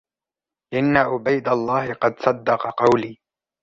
إنَّ عُبَيْدَ اللَّهِ قَدْ صَدَّقَ قَوْلِي